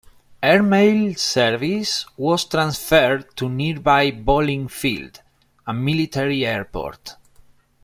Airmail service was transferred to nearby Bolling Field, a military airport.